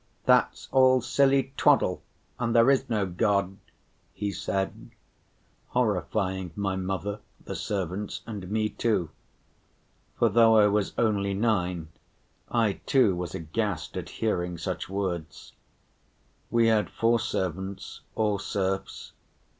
"That's all silly twaddle, and there is no God," he said, horrifying my mother, the servants, and me too. For though I was only nine, I too was aghast at hearing such words. We had four servants, all serfs.